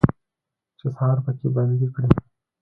چې سهار پکې بندي کړي